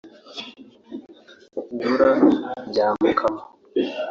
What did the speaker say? Dora Byamukama